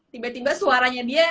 tiba tiba suaranya dia